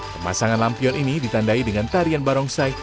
pemasangan lampion ini ditandai dengan tarian barongsai